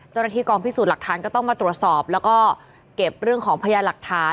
เจ้าหน้าที่กองพิสูจน์หลักฐานก็ต้องมาตรวจสอบแล้วก็เก็บเรื่องของพยานหลักฐาน